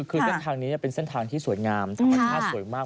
คือเส้นทางนี้เป็นเส้นทางที่สวยงามธรรมชาติสวยมาก